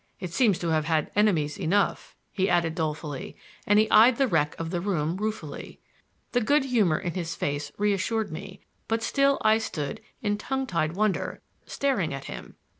It seems to have had enemies enough," he added dolefully; and he eyed the wreck of the room ruefully. The good humor in his face reassured me; but still I stood in tongue tied wonder, staring at him.